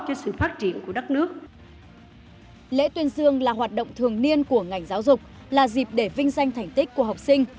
lễ tuyên dương là hoạt động thường niên của ngành giáo dục là dịp để vinh danh thành tích của học sinh